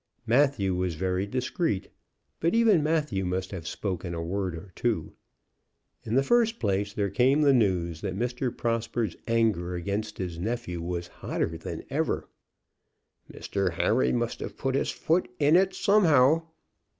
Matthew was very discreet; but even Matthew must have spoken a word or two. In the first place there came the news that Mr. Prosper's anger against his nephew was hotter than ever. "Mr. Harry must have put his foot in it somehow."